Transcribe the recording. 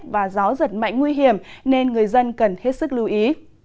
và gió giật mạnh nguy hiểm nên người dân cần hết sức lưu ý